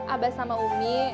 abah sama umi